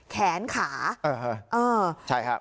แขนขาใช่ค่ะ